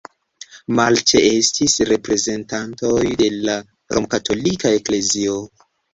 Malĉeestis reprezentantoj de la romkatolika eklezio.